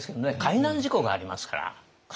海難事故がありますから。